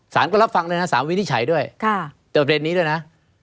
สารก็รับฟังด้วยนะสารวินิจฉัยด้วยแต่ประเด็นนี้ด้วยนะ